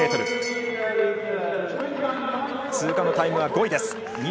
１１００ｍ、通過のタイムは５位です。